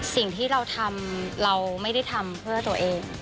สิ่งที่เราทำเราไม่ได้ทำเพื่อตัวเอง